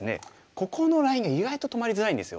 ここのラインが意外と止まりづらいんですよ。